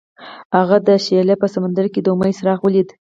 هغه د شعله په سمندر کې د امید څراغ ولید.